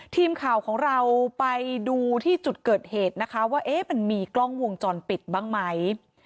ทีมข่าวของเราไปดูที่จุดเกิดเหตุนะคะว่ามันมีกล้องวงจรปิดบ้างไหม